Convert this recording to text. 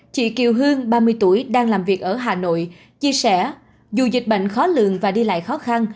chị kiều hương ba mươi tuổi đang làm việc ở hà nội chia sẻ dù dịch bệnh khó lường và đi lại khó khăn